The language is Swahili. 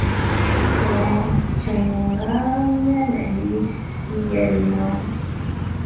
changanya na Juisi ya limao